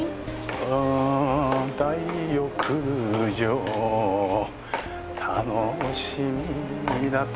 「あぁ大浴場」「楽しみだと」